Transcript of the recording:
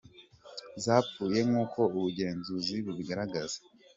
zapfuye nk’uko ubugenzuzi bubigaragaza